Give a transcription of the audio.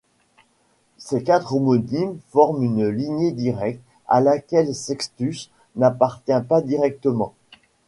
Ces quatre homonymes forment une lignée directe, à laquelle Sextus n'appartient pas directement.